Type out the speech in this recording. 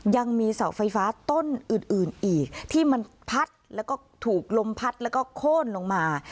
ยังมีเสาไฟฟ้าต้นอื่นอีกที่มันพัดแล้วก็ถูกลมพัดแล้วก็โค้นลงมา